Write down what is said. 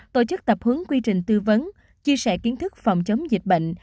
tổ chức tập hướng quy trình tư vấn chia sẻ kiến thức phòng chống dịch bệnh